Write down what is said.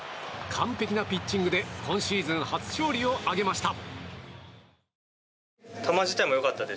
完璧なピッチングで今シーズン初勝利を挙げました。